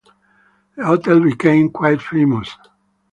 The hotel became quite famous.